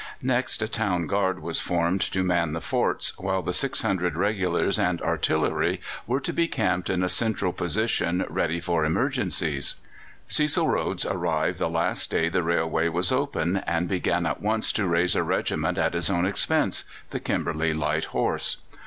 Next a Town Guard was formed to man the forts, while the 600 regulars and artillery were to be camped in a central position ready for emergencies. Cecil Rhodes arrived the last day the railway was open, and began at once to raise a regiment at his own expense the Kimberley Light Horse.